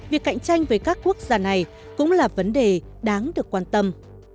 việc cạnh tranh với các quốc gia này cũng là vấn đề đáng được quan tâm